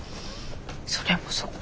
それもそっか。